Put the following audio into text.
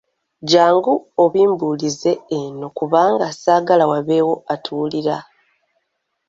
Jangu obimbuulize eno kuba saagala wabeewo atuwulira.